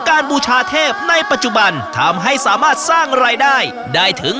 บูชาเทพในปัจจุบันทำให้สามารถสร้างรายได้ได้ถึง